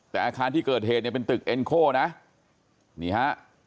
แต่อาคารที่เกิดเหตุเนี่ยเป็นตึกเอ็นโคนะนี่ฮะ